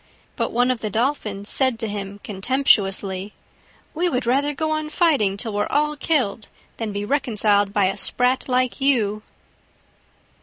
But one of the Dolphins said to him contemptuously, "We would rather go on fighting till we're all killed than be reconciled by a Sprat like you!"